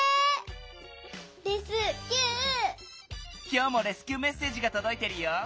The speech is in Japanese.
きょうもレスキューメッセージがとどいてるよ。